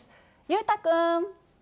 裕太君。